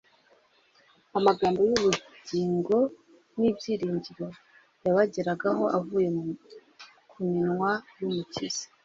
Amagambo y'ubugingo n'ibyiringiro yabageragaho avuye ku minwa y'Umukiza.